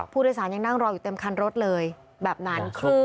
ผู้โดยสารยังนั่งรออยู่เต็มคันรถเลยแบบนั้น